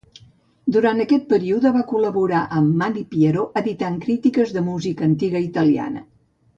Durant aquest període va col·laborar amb Malipiero editant crítiques de música antiga italiana.